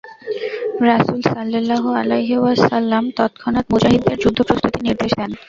রাসূল সাল্লাল্লাহু আলাইহি ওয়াসাল্লাম তৎক্ষণাৎ মুজাহিদদের যুদ্ধ প্রস্তুতির নির্দেশ দেন।